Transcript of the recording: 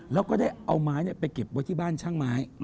แล้วก็ได้เอาไม้ไปเก็บไว้ที่บ้านช่างไม้